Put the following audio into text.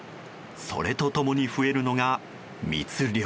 それと共に増えるのが密漁。